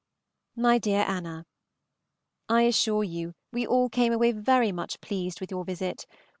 MY DEAR ANNA, I assure you we all came away very much pleased with our visit.